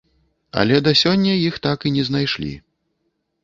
Але да сёння іх так і не знайшлі.